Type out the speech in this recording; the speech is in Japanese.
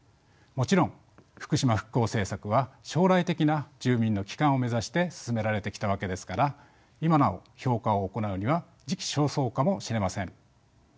もちろん福島復興政策は将来的な住民の帰還を目指して進められてきたわけですから今なお評価を行うには時期尚早かもしれません。